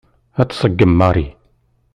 Ad t-tṣeggem Mary.